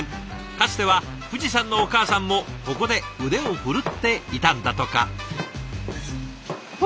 かつては藤さんのお母さんもここで腕を振るっていたんだとか。